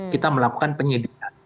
kita melakukan penyidikan